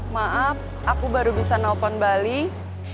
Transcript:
maaf aku baru bisa nelpon balik